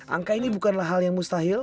angka ini bukanlah hal yang mustahil